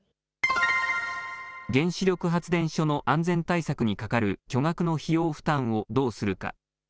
原子力発電所の安全対策にかかる巨額の費用負担をどうするか。